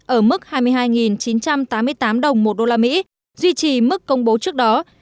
ở mức hai mươi hai chín trăm tám mươi tám đồng một đô la mỹ duy trì mức công bố trước đó